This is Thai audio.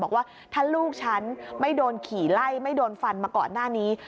บอกว่าถ้าลูกฉันไม่โดนขี่ไล่ไม่โดนฟันมาก่อนหน้านี้